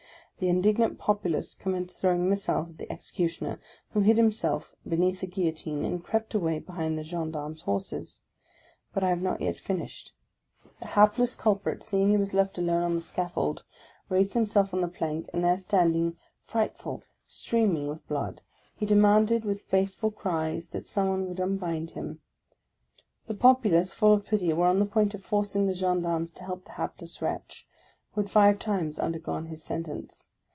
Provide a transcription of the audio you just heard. The indignant populace com menced throwing missiles at the Executioner, who hid himself beneath the Guillotine, and crept away behind the gendarmes' horses: but I have not yet finished. The hapless culprit, M. VICTOR HUGO 31 seeing he was left alone on the scaffold, raised himself on the plank, and there standing, frightful, streaming with blood, he demanded with feeble cries that some one would unbind him! The populace, full of pity9 were on the point of forcing the gendarmes to help the hapless wretch, who had five times undergone his sentence.